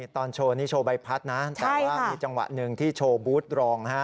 ตอนโชว์นี่โชว์ใบพัดนะแต่ว่ามีจังหวะหนึ่งที่โชว์บูธรองนะฮะ